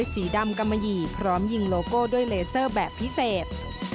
สีดำกำมะหยี่พร้อมยิงโลโก้ด้วยเลเซอร์แบบพิเศษ